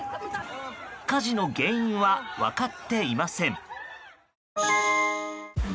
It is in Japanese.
火事の原因は分かっていません。